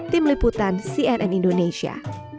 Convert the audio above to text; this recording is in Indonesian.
tim liputan cnn indonesia